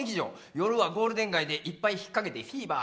夜はゴールデン街で一杯ひっかけてフィーバー